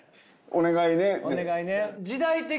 「お願いね」で。